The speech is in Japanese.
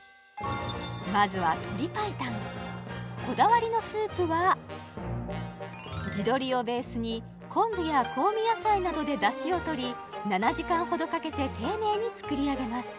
まずは鶏白湯こだわりのスープは地鶏をベースに昆布や香味野菜などで出汁をとり７時間ほどかけて丁寧に作り上げます